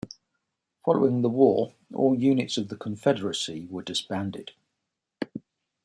Following the war all units of the Confederacy were disbanded.